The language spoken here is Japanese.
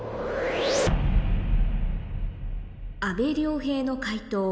阿部亮平の解答